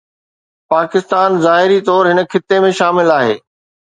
پاڪستان ظاهري طور هن خطي ۾ شامل آهي.